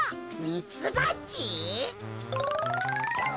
ミツバチ？